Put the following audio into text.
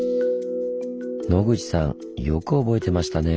野口さんよく覚えてましたね。